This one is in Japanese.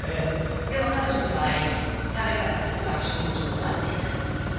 でも彼女の場合食べただけでは症状は出ない。